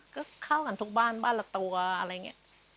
ก็เข้ากันทุกบ้านบ้านละตัวอะไรอย่างนี้